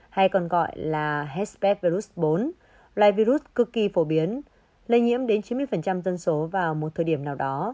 hay còn gọi là hbv bốn loại virus cực kỳ phổ biến lây nhiễm đến chín mươi dân số vào một thời điểm nào đó